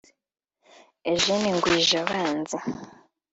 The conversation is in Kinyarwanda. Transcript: Eugene Ngwijabanzi